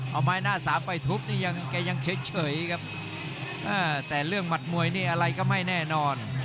เอาไม้หน้าสามไปทุบนี่ยังแกยังเฉยครับแต่เรื่องหมัดมวยนี่อะไรก็ไม่แน่นอน